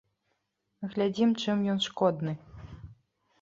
Глядзім, чым ён шкодны.